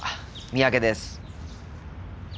三宅です。